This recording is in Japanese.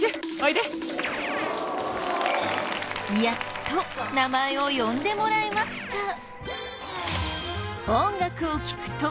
やっと名前を呼んでもらえました。